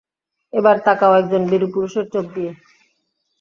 এবার, তাকাও, একজন বীরপুরুষের চোখ দিয়ে।